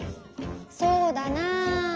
そうだなあ。